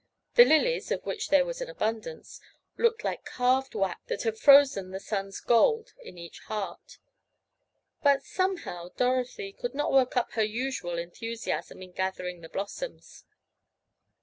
The lilies, of which there was an abundance, looked like carved wax that had frozen the sun's gold in each heart. But, somehow, Dorothy, could not work up her usual enthusiasm in gathering the blossoms.